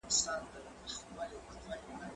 زه وخت نه نيسم!؟